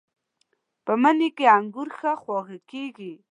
په مني کې انګور ښه خواږه کېږي.